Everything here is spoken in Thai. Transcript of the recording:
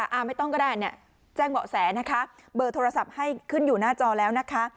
อ่าไม่ต้องก็ได้เนี่ยแจ้งเบาะแสนะคะเบอร์โทรศัพท์ให้ขึ้นอยู่หน้าจอแล้วนะคะ